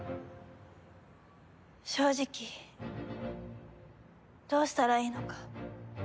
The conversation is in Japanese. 正直どうしたらいいのか。